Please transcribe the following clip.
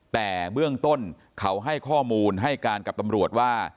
แต่เบื้องต้นเขาให้ข้อมูลให้การกับตำรวจว่า